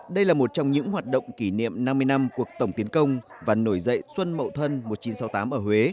đây là một trong những hoạt động kỷ niệm năm mươi năm cuộc tổng tiến công và nổi dậy xuân mậu thân một nghìn chín trăm sáu mươi tám ở huế